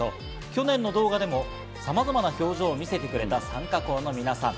去年の動画でも、さまざまな表情を見せてくれた参加校の皆さん。